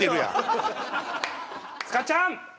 塚っちゃん！